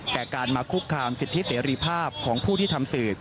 การมาคุกคามสิทธิเสรีภาพของผู้ที่ทำสื่อ